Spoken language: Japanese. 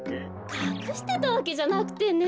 かくしてたわけじゃなくてね。